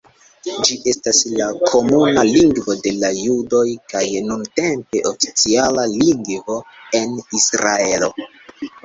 Ĝi estas la komuna lingvo de la judoj, kaj nuntempe oficiala lingvo en Israelo.